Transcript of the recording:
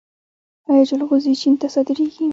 آیا جلغوزي چین ته صادریږي؟